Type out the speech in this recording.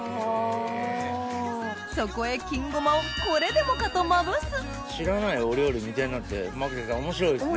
そこへ金ごまをこれでもかとまぶす知らないお料理見てるのって面白いですね。